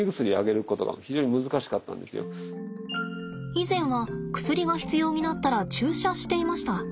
以前は薬が必要になったら注射していました。